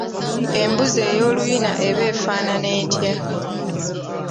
Embuzi ey’oluyina eba efaanana etya?